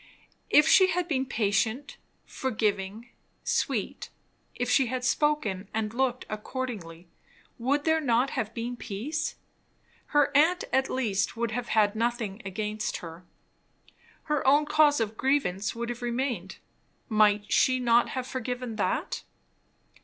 If she had been patient, forgiving, sweet; if she had spoken and looked accordingly; would there not have been peace? Her aunt at least would have had nothing against her. Her own cause of grievance would have remained; might she not have forgiven that?